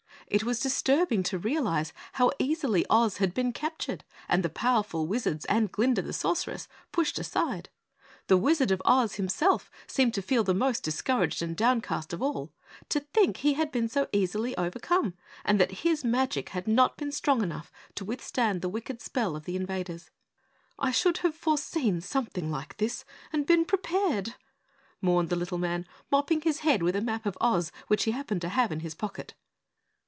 It was disturbing to realize how easily Oz had been captured and the powerful Wizards and Glinda the Sorceress pushed aside. The Wizard of Oz himself seemed to feel the most discouraged and downcast of all to think he had been so easily overcome, and that his magic had not been strong enough to withstand the wicked spell of the invaders. "I should have foreseen something like this, and been prepared," mourned the little man, mopping his head with a map of Oz which he happened to have in his pocket.